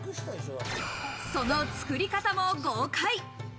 その作り方も公開！